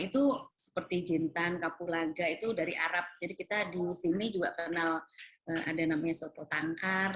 itu seperti jintan kapulaga itu dari arab jadi kita di sini juga kenal ada namanya soto tangkar